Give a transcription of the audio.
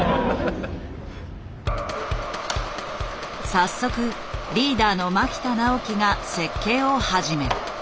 早速リーダーの牧田直希が設計を始める。